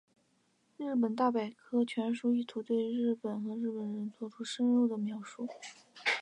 日本大百科全书意图对日本和日本人作出深入的描述。